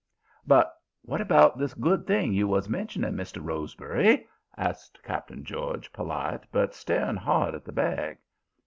"'But w'at about this good thing you was mentioning, Mr. Rosebury?' asks Cap'n George, polite, but staring hard at the bag.